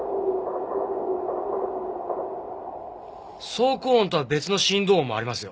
「」走行音とは別の振動音もありますよ。